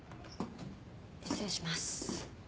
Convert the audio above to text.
失礼します。